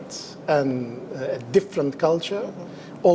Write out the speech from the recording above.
itu adalah kultur yang berbeda